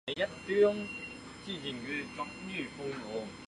一定要远离市区